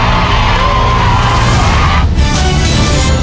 โดยเฉพาะลูกหลานของเราช่วงหน้าเรามาเอาใจช่วยครับ